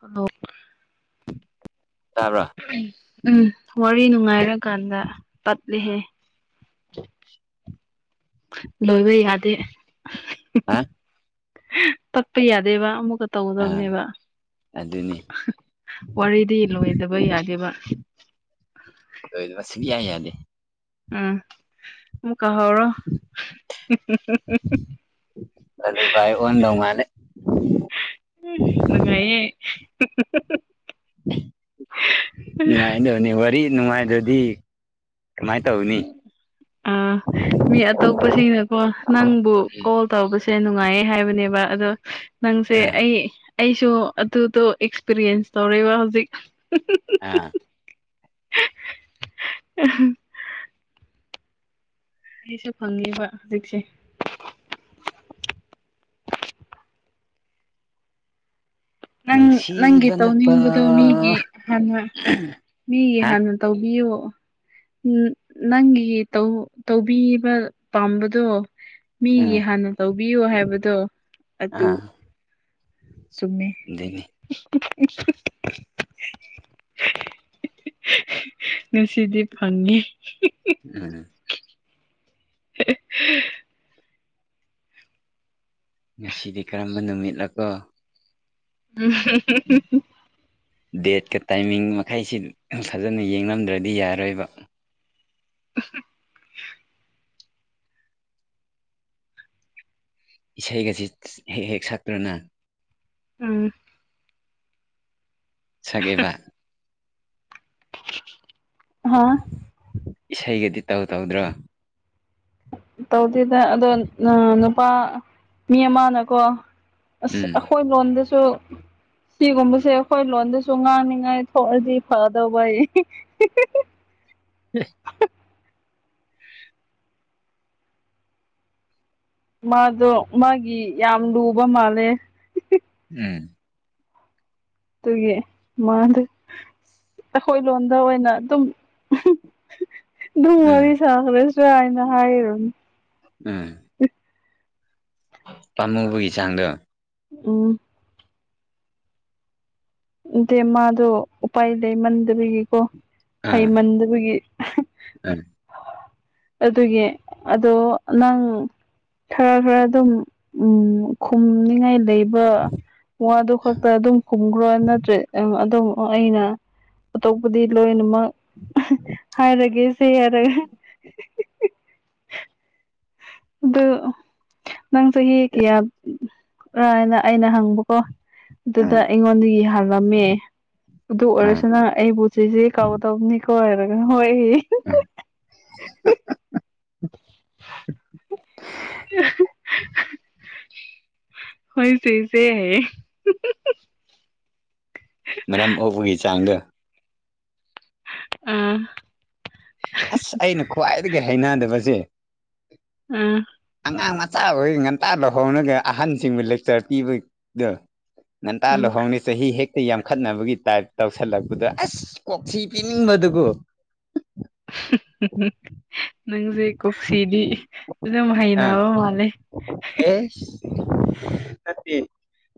ꯑꯣ ꯇꯥꯕ꯭ꯔꯥ ꯎ ꯎꯝ ꯋꯥꯔꯤ ꯅꯨꯡꯉꯥꯏꯔꯀꯥꯟꯗ ꯇꯠꯂꯤꯍꯦ ꯂꯣꯏꯕ ꯌꯥꯗꯦ ꯍꯥ ꯇꯠꯄ ꯌꯥꯗꯦꯕ ꯑꯃꯨꯛꯀ ꯑꯥ ꯇꯧꯗꯕꯅꯦꯕ ꯑꯗꯨꯅꯤ ꯋꯥꯔꯤꯗꯤ ꯂꯣꯏꯗꯕ ꯌꯥꯗꯦꯕ ꯂꯣꯏꯗꯕ ꯁꯨꯛꯌꯥ ꯌꯥꯗꯦ ꯎꯝ ꯑꯃꯨꯛ ꯀꯥꯍꯧꯔꯣ ꯍꯜꯂꯣꯚꯥꯏ ꯑꯣꯟꯗꯧ ꯃꯥꯂꯦ ꯎꯝ ꯅꯨꯡꯉꯥꯏꯌꯦ ꯅꯨꯡꯉꯥꯏꯗꯧꯅꯤ ꯋꯥꯔꯤ ꯅꯨꯡꯉꯥꯏꯗꯗꯤ ꯀꯃꯥꯏ ꯇꯧꯅꯤ ꯑꯥ ꯃꯤ ꯑꯇꯣꯞꯄꯁꯤꯡꯅꯀꯣ ꯅꯪꯕꯨ ꯀꯣꯜ ꯇꯧꯕꯁꯦ ꯅꯨꯡꯉꯥꯏꯌꯦ ꯍꯥꯏꯕꯅꯦꯕ ꯑꯗꯣ ꯅꯪꯁꯦ ꯑꯥ ꯑꯩ ꯑꯩꯁꯨ ꯑꯗꯨꯗꯣ ꯑꯦꯛꯁꯄꯤꯔꯤꯌꯦꯟꯁ ꯇꯧꯔꯦꯕ ꯍꯧꯖꯤꯛ ꯑꯥ [unintelligible] ꯑꯩꯁꯨ ꯐꯪꯉꯦꯕ ꯍꯧꯖꯤꯛꯁꯦ ꯅꯪ ꯅꯪꯒꯤ ꯅꯨꯡꯁꯤꯕꯅꯄꯥ ꯇꯧꯅꯤꯡꯕꯗꯨꯣ ꯃꯤꯒꯤ ꯍꯟꯅꯥ ꯃꯤꯒꯤ ꯍꯥ ꯍꯥꯟꯅ ꯇꯧꯕꯤꯌꯣ ꯅꯪꯒꯤ ꯇꯧ ꯇꯧꯕꯤꯕ ꯄꯥꯝꯕꯗꯣ ꯎꯝ ꯃꯤꯒꯤ ꯍꯥꯟꯅ ꯇꯧꯕꯤꯌꯨ ꯍꯥꯏꯕꯗꯣ ꯑꯗꯨ ꯑꯥ ꯆꯨꯝꯃꯦ [unintelligible] [unintelligible] ꯉꯁꯤꯗꯤ ꯐꯪꯉꯦ ꯑꯥ [unintelligible] ꯉꯁꯤꯗꯤ ꯀꯔꯝꯕ ꯅꯨꯃꯤꯠꯂꯀꯣ ꯎꯝ [inaudible] ꯗꯦꯠꯀ ꯇꯥꯏꯃꯤꯡ ꯃꯈꯩꯁꯤ ꯐꯖꯅ ꯌꯦꯡꯉꯝꯗ꯭ꯔꯗꯤ ꯌꯥꯔꯣꯏꯕ [inaudible] ꯏꯁꯩꯒꯁꯤ ꯍꯦꯛ ꯍꯦꯛ ꯁꯛꯇꯔꯥ ꯅꯪ ꯎꯝ ꯁꯛꯑꯦꯕ ꯍꯥ ꯏꯁꯩꯒꯗꯤ ꯇꯧ ꯇꯧꯗ꯭ꯔꯣ ꯇꯧꯗꯦꯗ ꯑꯗꯣ ꯅꯨꯄꯥ ꯃꯤ ꯑꯃꯅꯀꯣ ꯑꯁ ꯎꯝ ꯑꯩꯈꯣꯏ ꯂꯣꯟꯗꯁꯨ ꯁꯤꯒꯨꯝꯕꯁꯦ ꯑꯩꯈꯣꯏ ꯂꯣꯟꯗꯁꯨ ꯉꯥꯡꯅꯤꯉꯥꯏ ꯊꯣꯛꯑꯗꯤ ꯐꯗꯧꯕ [inaudible] ꯃꯥꯗꯣ ꯃꯥꯒꯤ ꯌꯥꯝ ꯂꯨꯕ ꯃꯥꯜꯂꯦ ꯎꯝ ꯑꯗꯨꯒꯤ ꯃꯥꯗꯣ ꯑꯩꯈꯣꯏ ꯂꯣꯟꯗ ꯑꯣꯏꯅ ꯑꯗꯨꯝ ꯎꯝ [inaudible] ꯎꯝ ꯄꯥꯝꯃꯨꯕꯒꯤ ꯆꯥꯡꯗꯣ ꯎꯝ ꯅꯠꯇꯦ ꯃꯥꯗꯣ ꯎꯄꯥꯏ ꯂꯩꯃꯟꯗꯕꯒꯤꯀꯣ ꯑꯥ ꯍꯩꯃꯟꯗꯕꯒꯤ ꯎꯝ ꯑꯗꯨꯒꯤ ꯑꯗꯣ ꯅꯪ ꯈꯔ ꯈꯔ ꯑꯗꯨꯝ ꯎꯝ ꯈꯨꯝꯅꯤꯉꯥꯏ ꯂꯩ ꯕꯥ ꯋꯥꯗꯨ ꯈꯛꯇ ꯑꯗꯨꯝ ꯀꯨꯝ ꯕ ꯅꯠꯇ꯭ꯔꯦ [unintelligible] ꯑꯗꯨꯝ ꯑꯩꯅ ꯑꯇꯣꯞꯄꯗꯤ ꯂꯣꯏꯅꯃꯛ ꯍꯥꯏꯔꯒꯦꯁꯦ ꯍꯥꯏꯔꯒ ꯑꯗꯨ ꯅꯪ ꯆꯍꯤ ꯀꯌꯥ ꯔꯅ ꯑꯩꯅ ꯍꯪꯕꯀꯣ ꯑꯗꯨꯗ ꯎꯝ ꯑꯩꯉꯣꯟꯗꯩ ꯍꯜꯂꯝꯃꯦ ꯑꯗꯨ ꯎꯝ ꯑꯣꯏꯔꯁꯨ ꯅꯪ ꯑꯩꯕꯨ ꯆꯦꯆꯦ ꯀꯥꯎꯗꯧꯅꯤꯀꯣ ꯍꯥꯏꯔꯒ ꯍꫭꯏ ꯍꯤ [inaudible] ꯍꯣꯏ ꯆꯦꯆꯦ ꯍꯥꯏꯌꯦ ꯃꯔꯝ ꯑꯣꯛꯄꯒꯤ ꯆꯥꯡꯗꯣ ꯑꯥ ꯑꯁ ꯑꯩꯅ ꯈ꯭ꯋꯥꯏꯗꯒꯤ ꯍꯩꯅꯗꯕꯁꯦ ꯎꯝ꯫ ꯑꯉꯥꯡ ꯃꯆꯥ ꯑꯣꯏ ꯉꯟꯇꯥ ꯂꯨꯍꫭꯡꯔꯒ ꯑꯍꯥꯟꯁꯤꯡꯕꯨ ꯂꯦꯛꯆꯔ ꯄꯤꯕꯗꯣ ꯉꯟꯇꯥ ꯎꯝ ꯂꯨꯍꯣꯡꯉꯤ ꯆꯍꯤ ꯍꯦꯛꯇ ꯌꯥꯝꯈꯠꯅꯕꯒꯤ ꯇꯥꯏꯞ ꯇꯧꯁꯜꯂꯛꯄꯗ ꯑꯁ ꯀꯣꯛꯊꯤ ꯄꯤꯅꯤꯡꯕꯗꯨꯀꯣ [inaudible] ꯅꯪꯁꯦ ꯀꯣꯛꯁꯤꯗꯤ ꯑꯗꯨꯝ ꯑꯥ ꯍꯩꯅꯕ ꯃꯥꯜꯂꯦ ꯑꯦꯁ ꯅꯠꯇꯦ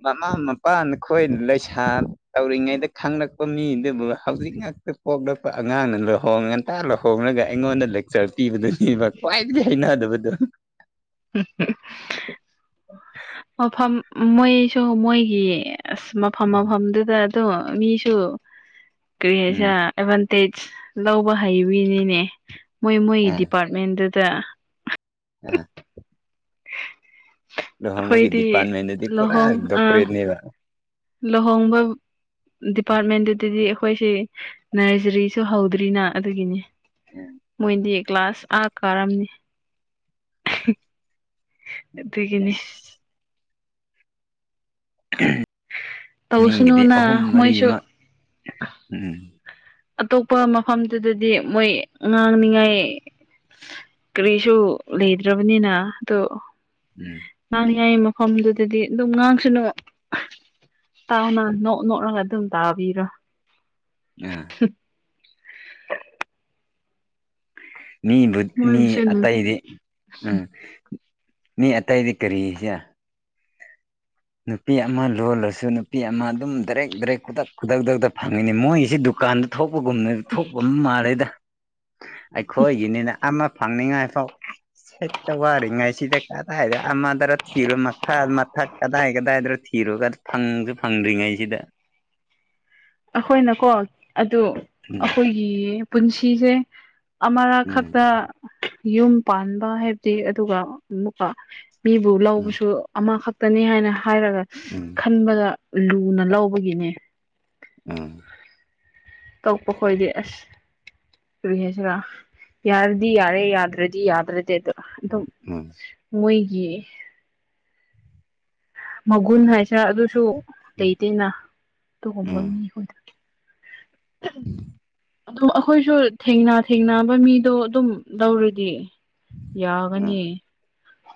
ꯃꯃꯥ ꯃꯄꯥ ꯅꯈꯣꯏ ꯂꯩꯁꯥ ꯇꯧꯔꯤꯉꯩꯗ ꯈꯪꯂꯛꯄ ꯃꯤꯗꯨꯕꯨ ꯍꯧꯖꯤꯛ ꯉꯛꯇꯥ ꯄꯣꯛꯂꯛꯄ ꯑꯉꯥꯡꯅ ꯂꯨꯍꯣꯡ ꯉꯟꯇꯥ ꯂꯨꯍꯣꯡꯂꯒ ꯑꯩꯉꯣꯟꯗ ꯂꯦꯛꯆꯔ ꯄꯤꯕꯗꯨꯅꯦꯕ ꯈ꯭ꯋꯥꯏꯗꯒꯤ ꯍꯩꯅꯗꯕꯗꯣ [inaudible] ꯃꯐꯝ ꯃꯣꯏꯁꯨ ꯃꯣꯏꯒꯤ ꯑꯁ ꯃꯐꯝ ꯃꯐꯝꯗꯨꯗ ꯑꯗꯣ ꯃꯤꯁꯨ ꯀꯔꯤ ꯎꯝ ꯍꯥꯏꯁꯤꯔ ꯑꯦꯗꯚꯥꯟꯇꯦꯖ ꯂꯧꯕ ꯍꯩꯕꯃꯤꯅꯤꯅꯦ ꯃꯣꯏ ꯃꯣꯏꯒꯤ ꯗꯤꯄꯥꯔꯠꯃꯦꯟꯗꯨꯗ ꯑ ꯂꯨꯍꯣꯡꯕꯒꯤ ꯑꯩꯈꯣꯏꯗꯤ ꯗꯤꯄꯥꯔꯠꯃꯦꯟꯗꯨꯗꯤ ꯄꯨꯔꯥ ꯗꯣꯛꯇꯔꯦꯠꯅꯦꯕ ꯂꯨꯍꯣꯡꯕꯥꯕꯨ ꯗꯤꯄꯥꯔꯠꯃꯦꯟꯗꯨꯗꯗꯤ ꯑꯩꯈꯣꯏꯁꯦ ꯅꯔꯖꯔꯤꯁꯨ ꯍꯧꯗ꯭ꯔꯤꯅ ꯑꯗꯨꯒꯤꯅꯤ ꯃꯣꯏꯗꯤ ꯀ꯭ꯂꯥꯁ ꯑꯥ ꯀꯥꯔꯝꯅꯤ ꯑꯗꯨꯒꯤꯅꯤ ꯃꯤꯒꯤꯗꯤ ꯇꯧꯁꯅꯨꯅ ꯑꯍꯨꯝ ꯃꯔꯤ ꯃꯣꯏꯁꯨ ꯃꯛ ꯎꯝ ꯑꯇꯣꯞꯄ ꯃꯐꯝꯗꯨꯗꯗꯤ ꯃꯣꯏ ꯉꯥꯡꯅꯤꯡꯉꯥꯏ ꯀꯔꯤꯁꯨ ꯂꯩꯗ꯭ꯔꯥꯕꯅꯤꯅ ꯑꯗꯣ ꯎꯝ꯫ ꯉꯥꯡꯅꯤꯡꯉꯥꯏ ꯃꯐꯝꯗꯨꯗꯗꯤ ꯑꯗꯨꯝ ꯉꯥꯡꯁꯥꯅꯨ ꯇꯥꯎꯅ ꯅꯣꯛ ꯅꯣꯛꯂꯒ ꯑꯗꯨꯝ ꯇꯥꯕꯤꯔꯣ ꯅꯥ [inaudible] ꯃꯤꯕꯨ ꯃꯤ ꯃꯣꯏꯕꯨꯁꯨꯅꯨ ꯑꯇꯩꯗꯤ ꯎꯝ ꯃꯤ ꯑꯇꯩꯥꯗꯤ ꯀꯔꯤꯁꯦ ꯅꯨꯄꯤ ꯑꯃ ꯂꯣꯜꯂꯁꯨ ꯅꯨꯄꯤ ꯑꯃ ꯑꯗꯨꯝ ꯗꯥꯏꯔꯦꯛ ꯗꯥꯏꯔꯦꯛ ꯈꯨꯗꯛ ꯈꯨꯗꯛꯇꯛꯇ ꯐꯪꯉꯤꯅꯤ ꯃꯣꯏꯁꯤꯗꯨ ꯀꯥꯟꯗ ꯊꯣꯛꯄꯒꯨꯝꯅ ꯊꯣꯛꯄ ꯑꯃ ꯃꯥꯜꯂꯦꯗ ꯑꯩꯈꯣꯏꯒꯤꯅꯤꯅ ꯑꯃ ꯐꯪꯅꯤꯡꯉꯥꯏ ꯐꯥꯎ ꯍꯦꯛꯇ ꯋꯥꯔꯤꯉꯥꯏ ꯁꯤꯗ ꯀꯗꯥꯏꯗ ꯑꯃꯗ꯭ꯔꯥ ꯊꯤꯔꯨ ꯃꯈꯥ ꯃꯊꯛ ꯀꯗꯥꯏ ꯀꯗꯥꯏꯗꯣ ꯊꯤꯔꯨꯔꯒ ꯐꯪꯁꯨ ꯐꯪ ꯐꯪꯗ꯭ꯔꯤꯉꯩꯁꯤꯗ ꯑꯩꯈꯣꯏꯅꯀꯣ ꯑꯗꯨ ꯎꯝ ꯑꯩꯈꯣꯏꯒꯤ ꯄꯨꯟꯁꯤꯁꯦ ꯑꯃꯔꯛ ꯎꯝ ꯈꯛꯇ ꯌꯨꯝ ꯄꯥꯟꯕ ꯍꯥꯏꯕꯗꯤ ꯑꯗꯨꯒ ꯑꯃꯨꯛꯀ ꯃꯤꯕꯨ ꯎꯝ ꯂꯧꯕꯁꯨ ꯑꯃꯈꯛꯇꯅꯤ ꯍꯥꯏꯅ ꯍꯥꯏꯔꯒ ꯎꯝ ꯈꯟꯕꯗ ꯂꯨꯅ ꯂꯧꯕꯒꯤꯅꯦ ꯎꯝ ꯀꯛꯄ ꯈꯣꯏꯗꯦ ꯑꯁ ꯀꯔꯤ ꯍꯥꯏꯁꯦꯔꯥ ꯌꯥꯔꯗꯤ ꯌꯥꯔꯦ ꯌꯥꯗ꯭ꯔꯗꯤ ꯌꯥꯗ꯭ꯔꯗꯤꯗꯣ ꯑꯗꯨꯝ ꯎꯝ ꯃꯣꯏꯒꯤ ꯃꯒꯨꯟ ꯍꯥꯏꯁꯤꯔ ꯑꯗꯨꯁꯨ ꯎꯝ ꯂꯩꯇꯦꯅ ꯑꯗꯨꯒꯨꯝꯕ ꯎꯝ ꯃꯤ ꯑꯩꯈꯣꯏꯗ [inaudible] ꯑꯗꯨꯝ ꯑꯩꯈꯣꯏꯁꯨ ꯊꯦꯡꯅ ꯊꯦꯡꯅꯕ ꯃꯤꯗꯣ ꯑꯗꯨꯝ ꯂꯧꯔꯗꯤ ꯎꯝ ꯌꯥꯒꯅꯤ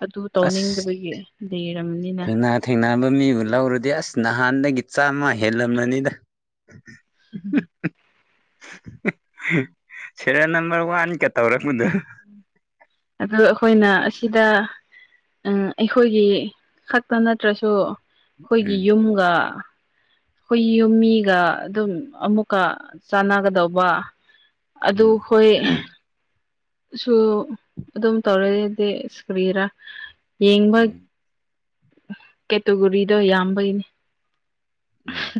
ꯑꯗꯨ ꯑꯁ ꯇꯧꯅꯤꯡꯗꯕꯒꯤ ꯂꯩꯔꯝꯒꯅꯤꯅ ꯊꯦꯡꯅ ꯊꯦꯡꯅꯕ ꯃꯤꯕꯨ ꯂꯧꯔꯗꯤ ꯑꯁ ꯅꯍꯥꯟꯗꯒꯤ ꯆꯥꯝꯃ ꯍꯦꯜꯂꯝꯂꯅꯤꯗ [unintelligible] [unintelligible] ꯁꯦꯔꯦꯜ ꯅꯝꯕꯔ ꯋꯥꯟꯒ ꯇꯧꯔꯛꯄꯗ ꯑꯗꯨ ꯑꯩꯈꯣꯏꯅ ꯑꯁꯤꯗ ꯑꯥ ꯑꯩꯈꯣꯏꯒꯤ ꯈꯛꯇ ꯅꯠꯇ꯭ꯔꯁꯨ ꯑꯩꯈꯣꯏꯒꯤ ꯎꯝ ꯌꯨꯝꯒ ꯑꯩꯈꯣꯏ ꯌꯨꯝ ꯃꯤꯒ ꯑꯗꯨꯝ ꯑꯃꯨꯛꯀ ꯆꯥꯟꯅꯒꯗꯧꯕ ꯑꯗꯨ ꯎꯝ ꯈꯣꯏ ꯁꯨ ꯑꯗꯨꯝ ꯇꯧꯔꯗꯤ ꯏꯁꯀ꯭ꯔꯤꯔ ꯌꯦꯡꯕ ꯎꯝ ꯀꯦꯇꯨꯒꯨꯔꯤꯗꯣ ꯌꯥꯝꯕꯒꯤꯅꯦ ꯎꯝ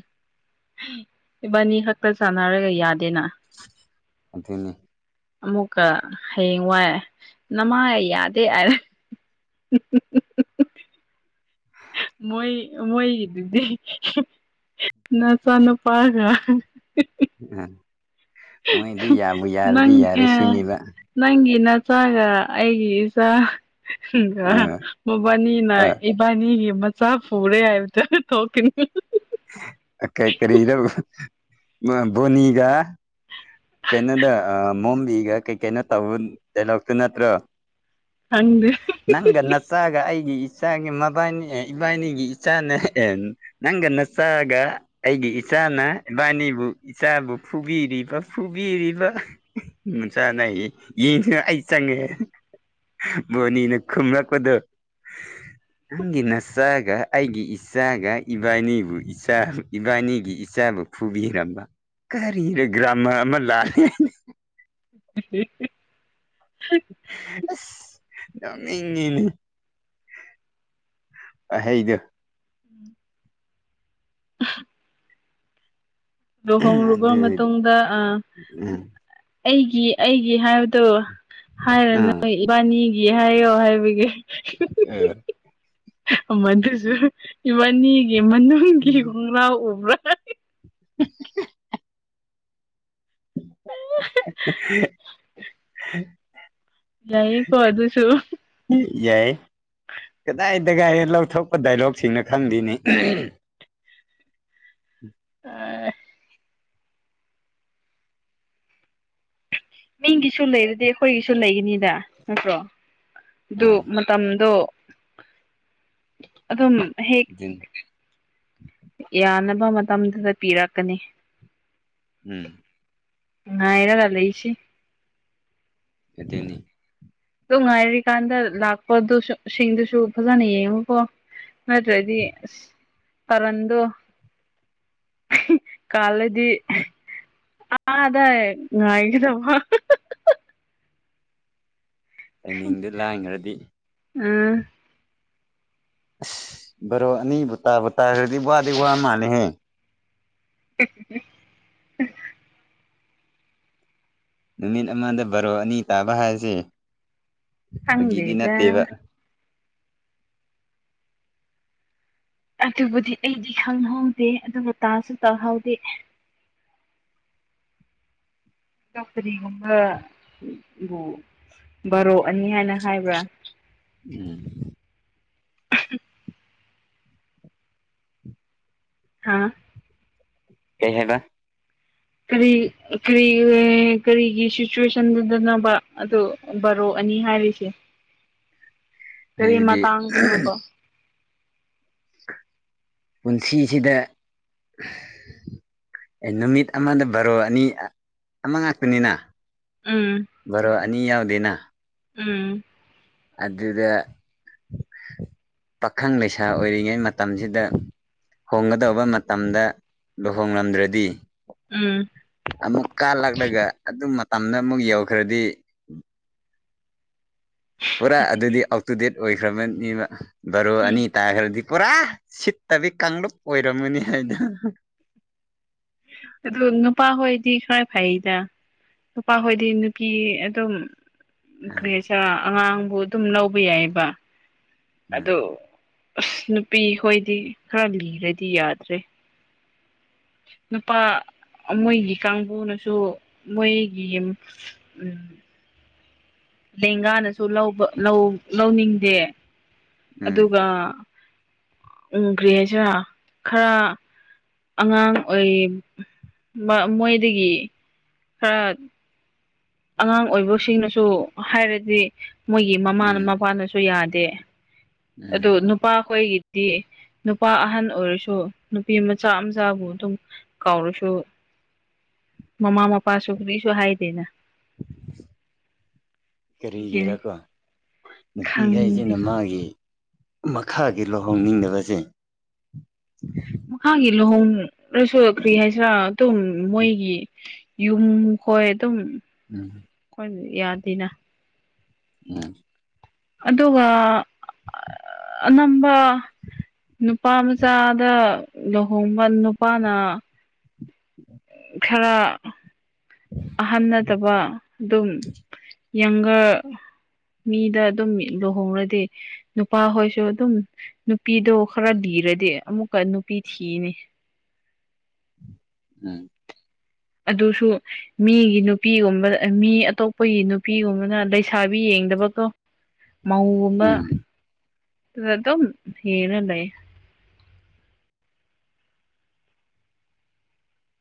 ꯏꯕꯥꯅꯤ ꯈꯛꯇ ꯆꯥꯟꯅꯔꯒ ꯌꯥꯗꯦꯅ ꯑꯗꯨꯅꯤ ꯑꯃꯨꯛꯀ ꯍꯌꯦꯡ ꯋꯥꯏ ꯅꯃꯥꯏ ꯌꯥꯗꯦ ꯍꯥꯏꯔ [unintelligible] ꯃꯣꯏ ꯃꯣꯏꯒꯤꯗꯨꯗꯤ [unintelligible] ꯅꯆꯥ ꯅꯨꯨꯄꯥꯒ ꯎꯝ ꯃꯣꯏꯗꯤ ꯌꯥꯕꯨ ꯌꯥꯔꯗꯤ ꯅꯪ ꯌꯥꯔꯦ ꯁꯤꯅꯤꯕ ꯅꯪꯒꯤ ꯅꯆꯥꯒ ꯑꯩꯒꯤ ꯏꯆꯥꯒ ꯃꯕꯥꯅꯤꯅ ꯑ ꯏꯕꯥꯅꯤꯒꯤ ꯃꯆꯥ ꯐꯨꯔꯦ ꯍꯥꯏꯕꯗꯨ ꯑꯗꯨ ꯊꯣꯛ ꯀꯩ ꯀꯔꯤꯔꯣ ꯕꯣꯅꯤꯒ ꯀꯩꯅꯣꯗ ꯃꯣꯝꯕꯤꯒ ꯀꯩ ꯀꯩꯅꯣ ꯇꯧ ꯗꯥꯏꯂꯣꯛꯇꯨ ꯅꯠꯇ꯭ꯔꯣ ꯈꯪꯗꯦ ꯅꯪꯒ ꯅꯆꯥꯒ ꯑꯩꯒꯤ ꯏꯆꯥꯒꯤ ꯃꯕꯥꯅꯤ ꯏꯕꯥꯅꯤꯒꯤ ꯏꯆꯥꯅ ꯑꯦ ꯅꯪꯒ ꯅꯆꯥꯒ ꯑꯩꯒꯤ ꯏꯆꯥꯅ ꯏꯕꯥꯅꯤꯕꯨ ꯏꯆꯥꯕꯨ ꯐꯨꯕꯤꯔꯤꯕ ꯐꯨꯕꯤꯔꯤꯕ [unintelligible] ꯑꯩ ꯆꯡꯉꯦ ꯕꯣꯅꯤꯅ ꯈꯨꯝꯂꯛꯄꯗꯣ ꯅꯪꯒꯤ ꯅꯆꯥꯒ ꯑꯩꯒꯤ ꯏꯆꯥꯒ ꯏꯕꯥꯅꯤꯕꯨ ꯏꯆꯥ ꯏꯕꯥꯅꯤꯒꯤ ꯏꯆꯥꯕꯨ ꯐꯨꯕꯤꯔꯝꯕ ꯀꯔꯤꯔ ꯒ꯭ꯔꯥꯃꯔ ꯑꯃ ꯂꯥꯜꯂꯦ ꯍꯥꯢꯅ [unintelligible] [unintelligible] ꯑꯁ [unintelligible] ꯋꯥꯍꯩꯗꯨ [unintelligible] ꯂꯨꯍꯣꯡꯂꯨꯕ ꯑꯗꯨ ꯃꯇꯨꯡꯗ ꯑꯥ ꯎꯝ ꯑꯩꯒꯤ ꯑꯩꯒꯤ ꯍꯥꯏꯕꯗꯣ ꯑꯥ ꯍꯥꯏꯔꯅꯣꯏ ꯏꯕꯥꯅꯤꯒꯤ ꯍꯥꯏꯌꯣ ꯍꯥꯏꯕꯒꯤ ꯑꯦ ꯑꯃꯗꯨꯁꯨ ꯏꯕꯥꯅꯤꯒꯤ ꯃꯅꯨꯡꯒꯤ ꯈꯣꯡꯒ꯭ꯔꯥꯎ ꯎꯕ꯭ꯔꯥ [unintelligible] [unintelligible] [unintelligible] ꯌꯥꯏꯌꯦ ꯀꯣ ꯑꯗꯨꯁꯨ ꯌꯥꯏ ꯀꯗꯥꯏ ꯗꯒꯥꯏꯌꯦ ꯂꯧꯊꯣꯛꯄ ꯗꯥꯏꯂꯣꯛꯁꯤꯡꯅ ꯈꯪꯗꯦꯅꯦ ꯑꯥꯏ ꯃꯤꯒꯤꯁꯨ ꯂꯩꯔꯗꯤ ꯑꯩꯈꯣꯏꯒꯤꯁꯨ ꯂꯩꯒꯅꯤꯗ ꯅꯠꯇ꯭ꯔꯣ ꯗꯨ ꯑꯥ ꯃ ꯇꯝꯗꯣ ꯑꯗꯨꯝ ꯍꯦꯛ ꯇꯤꯟ ꯌꯥꯅꯕ ꯃꯇꯝꯗꯨꯗ ꯄꯤꯔꯛꯀꯅꯤ ꯎꯝ ꯉꯥꯏꯔꯒ ꯂꯩꯁꯤ ꯑꯗꯨꯅꯤ ꯇꯨ ꯉꯥꯏꯔꯤꯀꯥꯟꯗ ꯂꯥꯛꯄꯗꯨꯁꯨ ꯁꯤꯡꯗꯨꯁꯨ ꯐꯖꯅ ꯌꯦꯡꯉꯨꯀꯣ ꯅꯠꯇ꯭ꯔꯗꯤ ꯑꯁ ꯇꯔꯟꯗꯨ ꯀꯜꯂꯦ ꯗꯤ ꯑꯥꯗ ꯉꯥꯏꯒꯤꯗꯧꯕ ꯂꯥꯏꯅꯤꯡꯗ ꯂꯥꯟꯒ꯭ꯔꯗꯤ ꯎꯝ ꯑꯁ ꯕꯔꯣ ꯑꯅꯤꯕꯨ ꯇꯥꯕꯨ ꯇꯥꯒ꯭ꯔꯗꯤ ꯋꯥꯗꯤ ꯋꯥꯃꯥꯜꯂꯦꯍꯦ [inaudible] ꯅꯨꯃꯤꯠ ꯑꯃꯥꯗ ꯕꯥꯔꯣ ꯑꯅꯤ ꯇꯥꯕ ꯍꯥꯏꯁꯦ ꯐꯥꯒꯤꯗꯤ ꯈꯪꯗꯦꯗ ꯅꯠꯇꯦꯕ ꯑꯗꯨꯕꯨꯗꯤ ꯑꯩꯗꯤ ꯈꯪꯍꯧꯗꯦ ꯑꯗꯨꯒ ꯇꯥꯁꯨ ꯇꯥꯍꯧꯗꯦ ꯆꯞꯄꯗꯤ ꯍꯣꯡꯔꯒ ꯕꯨ ꯕꯥꯔꯣ ꯑꯅꯤ ꯍꯥꯏꯅ ꯍꯥꯏꯕ꯭ꯔꯥ ꯎꯝ ꯍꯥꯥ ꯀꯩ ꯍꯥꯏꯕ ꯀꯔꯤ ꯀ꯭ꯔꯤ ꯀꯔꯤꯒꯤ ꯁꯤꯆ꯭ꯋꯦꯁꯟꯗꯨꯗꯅꯣꯕ ꯑꯗꯨ ꯕꯥꯔꯣ ꯑꯅꯤ ꯍꯥꯏꯔꯤꯁꯦ ꯀꯔꯤ ꯍꯥꯏꯕꯗꯤ ꯃꯇꯥꯡꯗꯅꯣꯕ ꯄꯨꯟꯁꯤꯁꯤꯗ ꯑꯦ ꯅꯨꯃꯤꯠ ꯑꯃꯥꯗ ꯕꯥꯔꯣ ꯑꯅꯤ ꯑꯃꯥ ꯉꯥꯛꯇꯅꯤꯅ ꯎꯝ ꯕꯥꯔꯣ ꯑꯅꯤ ꯌꯥꯎꯗꯦꯅ ꯎꯝ ꯑꯗꯨꯗ ꯄꯥꯈꯪ ꯂꯩꯁꯥ ꯑꯣꯏꯔꯤꯉꯩ ꯃꯇꯝꯖꯤꯗ ꯍꯣꯡꯒꯗꯧꯕ ꯃꯇꯝꯗ ꯂꯨꯍꯣꯡꯂꯝꯗ꯭ꯔꯗꯤ ꯎꯝ ꯑꯃꯨꯛ ꯀꯥꯜꯂꯛꯂꯒ ꯑꯗꯨ ꯃꯇꯝꯗ ꯑꯃꯨꯛ ꯌꯧꯈ꯭ꯔꯗꯤ ꯄꯨꯔꯥ ꯑꯗꯨꯗꯤ ꯑꯧ ꯇꯨ ꯗꯦꯠ ꯑꯣꯏꯈ꯭ꯔꯕꯅꯤꯕ ꯕꯥꯔꯣ ꯎꯝ ꯑꯅꯤ ꯇꯥꯒ꯭ꯔꯗꯤ ꯄꯨꯔꯥ ꯁꯤꯠꯇꯕꯤ ꯀꯥꯡꯂꯨꯞ ꯑꯣꯏꯔꯝꯃꯅꯤ ꯍꯩꯗꯣ ꯑꯗꯣ ꯅꯨꯄꯥꯍꯣꯏꯗꯤ ꯈꯔ ꯐꯩꯗ ꯅꯨꯄꯥꯍꯣꯏꯗꯤ ꯅꯨꯄꯤ ꯑꯗꯨꯝ ꯀꯔꯤ ꯎꯝ ꯍꯥꯏꯁꯤꯔ ꯑꯉꯥꯡꯕꯨ ꯑꯗꯨꯝ ꯂꯧꯕ ꯌꯥꯏꯑꯦꯕ ꯎꯝ ꯑꯗꯣ ꯑꯁ ꯅꯨꯄꯤ ꯍꯣꯏꯗꯤ ꯈꯔ ꯂꯤꯔꯗꯤ ꯌꯥꯗ꯭ꯔꯦ ꯅꯨꯄꯥ ꯃꯣꯏꯒꯤ ꯀꯥꯡꯕꯨꯅꯁꯨ ꯃꯣꯏꯒꯤ ꯎꯝ ꯂꯦꯡꯒꯥꯅꯁꯨ ꯂꯧꯕ ꯂꯧ ꯂꯧꯅꯤꯡꯗꯦ ꯑꯗꯨꯒ ꯎꯝ ꯀꯔꯤ ꯍꯥꯏꯁꯤꯔꯥ ꯈꯔ ꯑꯉꯥꯡ ꯑꯣꯏꯔꯤ ꯕ ꯃꯣꯏꯗꯒꯤ ꯈꯔ ꯑꯉꯥꯡ ꯑꯣꯏꯕꯁꯤꯡꯅꯁꯨ ꯍꯥꯏꯔꯗꯤ ꯃꯣꯏꯒꯤ ꯃꯃꯥꯅ ꯎꯝ ꯃꯄꯥꯅꯁꯨ ꯌꯥꯗꯦ ꯎꯝ ꯑꯗꯨꯒ ꯅꯨꯞ ꯅꯨꯄꯥꯈꯣꯏꯒꯤꯗꯤ ꯅꯨꯄꯥ ꯑꯍꯟ ꯑꯣꯏꯔꯁꯨ ꯅꯨꯄꯤ ꯃꯆꯥ ꯃꯆꯥꯕꯨ ꯑꯗꯨꯝ ꯀꯥꯎꯔꯁꯨ ꯃꯃꯥ ꯃꯄꯥ ꯃꯄꯥꯁꯨ ꯀꯔꯤꯁꯨ ꯍꯥꯏꯗꯦꯅ ꯁꯤꯁꯤꯅꯤ ꯀꯔꯤꯒꯤꯔꯀꯣ ꯈꯪꯗꯦ ꯅꯨꯄꯤꯈꯩꯁꯤꯅ ꯃꯥꯒꯤ ꯃꯈꯥꯒꯤ ꯂꯨꯍꯣꯡꯅꯤꯡꯗꯕꯁꯦ ꯃꯈꯥꯒꯤ ꯂꯨꯍꯣꯡ ꯔꯁꯨ ꯀꯔꯤ ꯍꯥꯏꯁꯤꯔꯥ ꯑꯗꯨꯝ ꯃꯣꯏꯒꯤ ꯌꯨꯝ ꯈꯣꯏ ꯑꯗꯨꯝ ꯎꯝ ꯑꯩꯈꯣꯏ ꯌꯥꯗꯦꯅ ꯎꯝ ꯑꯗꯨꯒ ꯑꯅꯝꯕꯥ ꯅꯨꯄꯥ ꯃꯆꯥꯗ ꯂꯨꯍꯣꯡꯕ ꯅꯨꯄꯥꯅ ꯈꯔ ꯑꯍꯟꯅꯠꯇꯥꯕ ꯑꯗꯨꯝ ꯌꯪꯒꯔ ꯃꯤꯗ ꯑꯗꯨꯝ ꯂꯨꯍꯣꯡꯔꯗꯤ ꯅꯨꯄꯥꯍꯣꯏꯁꯨ ꯑꯗꯨꯝ ꯅꯨꯄꯤꯗꯣ ꯈꯔ ꯂꯤꯔꯗꯤ ꯑꯃꯨꯛꯀ ꯅꯨꯄꯤ ꯊꯤꯅꯤ ꯎꯝ ꯑꯗꯨꯁꯨ ꯃꯤꯒꯤ ꯅꯨꯄꯤꯒꯨꯝꯕ ꯗ ꯃꯤ ꯑꯇꯣꯞꯄꯒꯤ ꯅꯨꯄꯤꯒꯨꯝꯕꯅ ꯂꯩꯁꯥꯕꯤ ꯌꯦꯡꯗꯕꯀꯣ ꯃꯧꯒꯨꯝꯕ ꯎꯝ ꯑꯗꯨꯗ ꯑꯗꯨꯝ ꯊꯤꯔꯥ ꯂꯩ